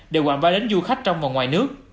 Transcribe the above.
để quảng bá đến du khách trong và ngoài nước